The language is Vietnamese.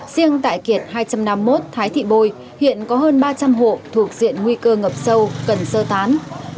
riêng tại kiệt hai trăm năm mươi một thái thị bồi hiện có hơn ba trăm linh hộ thuộc diện nguy cơ ngập sâu cần sơ tán